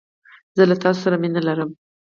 زه له تاسو سره مينه لرم